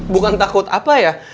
bukan takut apa ya